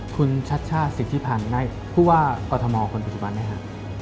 คุณชัชช่าศิษย์ที่ผ่านในผู้ว่ากฎมคนปัจจุบันได้ค่ะ